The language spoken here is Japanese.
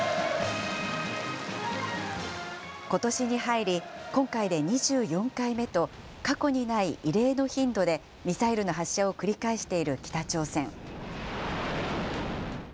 ことしに入り、今回で２４回目と、過去にない異例の頻度でミサイルの発射を繰り返している北朝鮮。